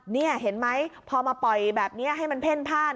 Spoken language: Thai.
นี่เห็นไหมพอมาปล่อยแบบนี้ให้มันเพ่นพลาด